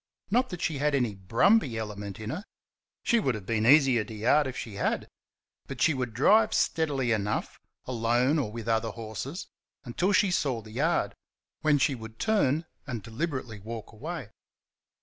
Not that she had any brumby element in her she would have been easier to yard if she had but she would drive steadily enough, alone or with other horses, until she saw the yard, when she would turn and deliberately walk away.